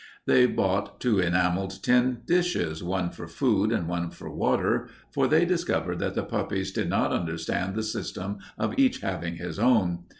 They bought two enameled tin dishes, one for food and one for water, for they discovered that the puppies did not understand the system of each having his own.